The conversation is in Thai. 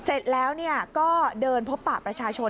เสร็จแล้วก็เดินพบปะประชาชน